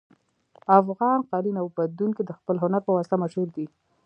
افغان قالین اوبدونکي د خپل هنر په واسطه مشهور دي